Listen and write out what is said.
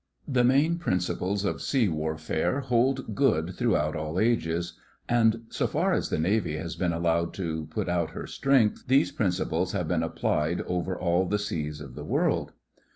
The main principles of sea warfare hold good throughout all ages, and, so far as the Navy has been allowed to put out her strength, these principles have been applied over all the seas of 6 6 THE FRINGES OF THE FLEET the world.